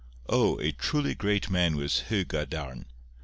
O, a truly great man was Hu Gadarn!